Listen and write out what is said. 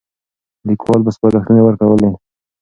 ليکوال به سپارښتنې ورکولې.